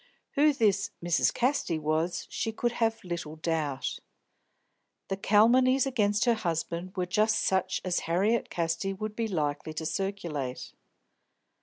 Who this "Mrs. Casty" was she could have little doubt. The calumnies against her husband were just such as Harriet Casti would be likely to circulate.